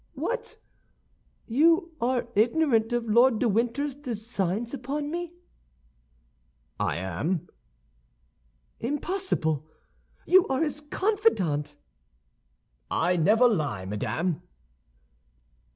"What, you are ignorant of Lord de Winter's designs upon me?" "I am." "Impossible; you are his confidant!" "I never lie, madame."